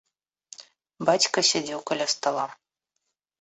Бацька сядзеў каля стала.